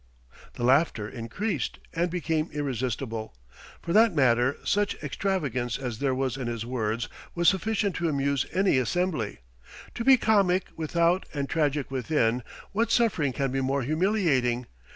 The laughter increased, and became irresistible. For that matter, such extravagance as there was in his words was sufficient to amuse any assembly. To be comic without and tragic within, what suffering can be more humiliating?